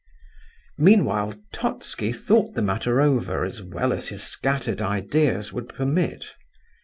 Meanwhile, Totski thought the matter over as well as his scattered ideas would permit.